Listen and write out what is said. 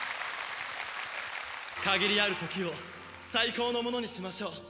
限りある時を最高のものにしましょう。